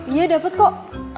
iya dapet kok